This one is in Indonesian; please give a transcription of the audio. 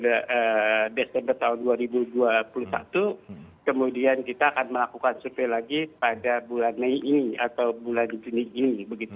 pada desember tahun dua ribu dua puluh satu kemudian kita akan melakukan survei lagi pada bulan mei ini atau bulan juni ini